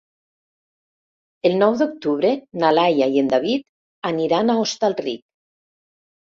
El nou d'octubre na Laia i en David aniran a Hostalric.